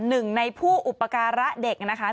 หนึ่งในผู้อุปการะเด็กนะคะ